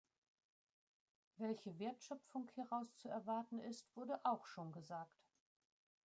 Welche Wertschöpfung hieraus zu erwarten ist, wurde auch schon gesagt.